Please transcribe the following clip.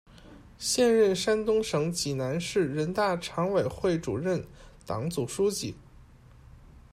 现任山东省济南市人大常委会主任、党组书记。